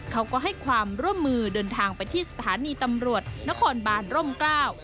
เขาก็ให้ความร่วมมือเดินทางไปที่สถานีตำรวจนครบานร่มกล้า